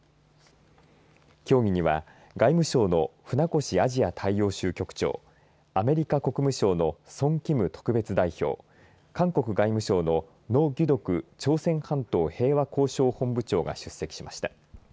協議には、外務省の船越アジア大洋州局長アメリカ国務省のソン・キム特別代表韓国外務省のノ・ギュドク朝鮮半島平和交渉本部長が出席しました。